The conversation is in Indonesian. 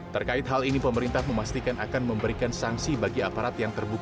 terkait hal ini pemerintah memastikan akan memberikan sanksi bagi aparat yang terbukti